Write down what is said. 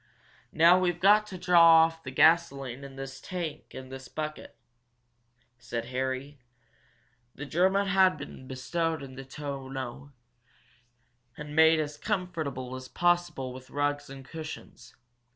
"Now we've got to draw off the gasoline in the tank in this bucket," said Harry. The German had been bestowed in the tonneau, and made as comfortable as possible with rugs and cushions.